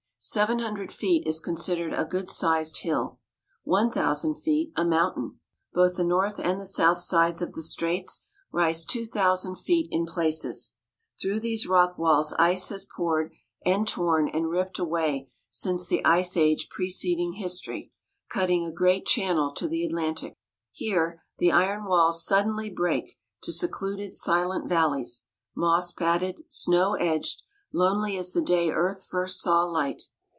Seven hundred feet is considered a good sized hill; one thousand feet, a mountain. Both the north and the south sides of the straits rise two thousand feet in places. Through these rock walls ice has poured and torn and ripped a way since the ice age preceding history, cutting a great channel to the Atlantic. Here, the iron walls suddenly break to secluded silent valleys, moss padded, snow edged, lonely as the day Earth first saw light.